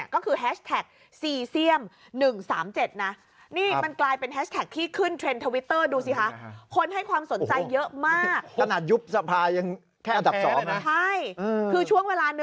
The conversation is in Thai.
ก็คือแฮชแท็กซีเซียม๑๓๗นะ